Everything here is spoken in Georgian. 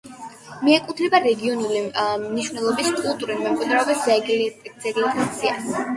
მიეკუთვნება რეგიონალური მნიშვნელობის კულტურული მემკვიდრეობის ძეგლთა სიას.